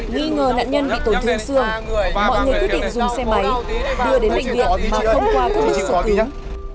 nghi ngờ nạn nhân bị tổn thương xương mọi người quyết định dùng xe máy đưa đến bệnh viện mà không qua các bức sổ cứng